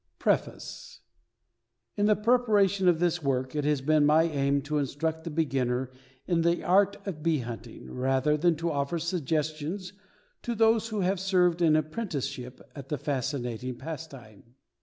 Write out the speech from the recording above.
PREFACE In the preparation of this work, it has been my aim to instruct the beginner in the art of bee hunting, rather than offer suggestions to those who have served an apprenticeship at the fascinating pastime.